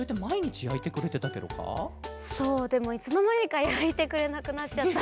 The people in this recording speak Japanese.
でもいつのまにかやいてくれなくなっちゃったんだけど。